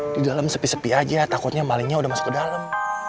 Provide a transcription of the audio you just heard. di dalam sepi sepi aja takutnya malingnya udah masuk ke dalam